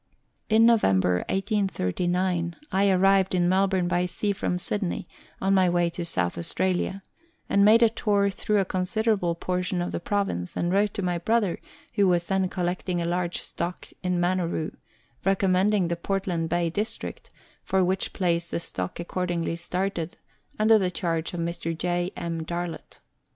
In November 1839, 1 arrived in Melbourne by sea from Sydney, on my way to South Australia, and made a tour through a consider able portion of the Province, and wrote to my brother, who was then collecting a large stock in Maneroo, recommending the Portland Bay District, for which place the stock accordingly started, under the charge of Mr. J. M. Darlot.